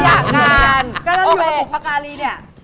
กำลังอยู่กับอุปการีเนี่ย